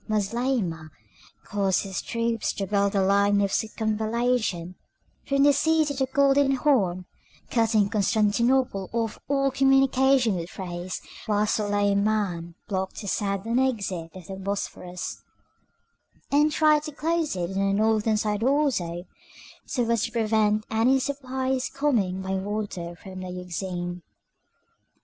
Moslemah caused his troops to build a line of circumvallation from the sea to the Golden Horn, cutting Constantinople off from all communication with Thrace, while Suleiman blocked the southern exit of the Bosphorus, and tried to close it on the northern side also, so as to prevent any supplies coming by water from the Euxine.